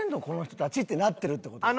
この人たちってなってるって事。